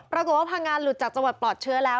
ปรากฏว่าพังงานหลุดจากจังหวัดปลอดเชื้อแล้ว